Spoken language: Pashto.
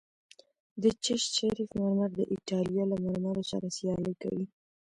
د چشت شریف مرمر د ایټالیا له مرمرو سره سیالي کوي